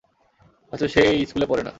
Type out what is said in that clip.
হয়তো সে এই স্কুলে পড়ে না।